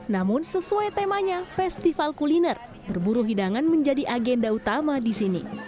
namun sesuai temanya festival kuliner berburu hidangan menjadi agenda utama di sini